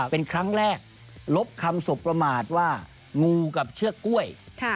เป็นครั้งแรกลบคำสบประมาทว่างูกับเชือกกล้วย